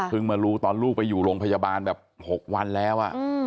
มารู้ตอนลูกไปอยู่โรงพยาบาลแบบ๖วันแล้ว